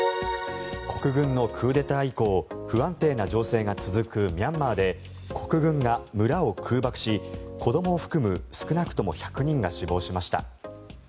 国軍のクーデター以降不安定な情勢が続くミャンマーで国軍が村を空爆し子どもを含む少なくとも１００人が死亡しました。